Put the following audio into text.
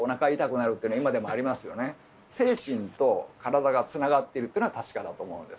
精神と体がつながってるというのは確かだと思うんです。